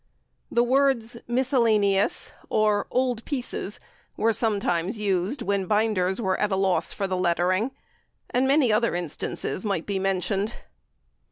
The words "Miscellaneous," or "Old Pieces," were sometimes used when binders were at a loss for lettering, and many other instances might be mentioned.